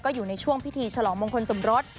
อยู่ในช่วงพิธีฉลองมงคลสมรส